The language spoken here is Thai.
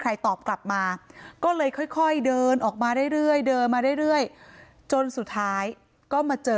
ตอบกลับมาก็เลยค่อยเดินออกมาเรื่อยเดินมาเรื่อยจนสุดท้ายก็มาเจอ